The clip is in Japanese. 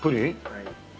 はい。